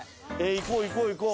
行こう行こう行こう。